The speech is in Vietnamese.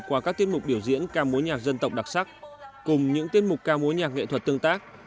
qua các tiết mục biểu diễn ca mối nhạc dân tộc đặc sắc cùng những tiết mục ca mối nhạc nghệ thuật tương tác